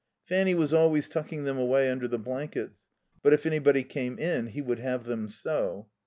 Fanny was always tucking them away under the blankets, but if anybody came in he would have them so.